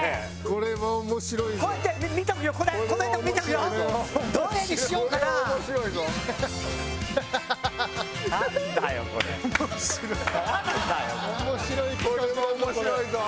これは面白いぞ。